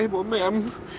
bố mẹ em